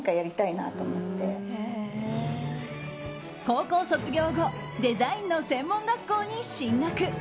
高校卒業後デザインの専門学校に進学。